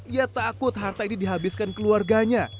ia takut harta ini dihabiskan keluarganya